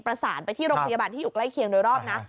ประสานไปที่โรงพยาบาลที่อยู่ใกล้เคียงโดยรอบนะ